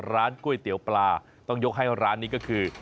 ร้านก๋วยเตี๋ยวปลาต้องยกให้ร้านนี้ก็คือ